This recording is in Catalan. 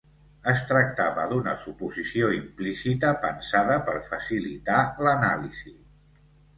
Es tractava d'una suposició implícita pensada per facilitar l'anàlisi.